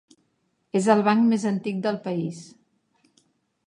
És el banc més antic del país.